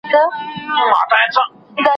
محصلین باید خپل استعدادونه وکاروي.